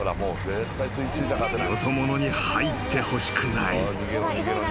［よそ者に入ってほしくない］